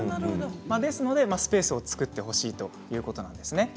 ですのでスペースを作ってほしいということです。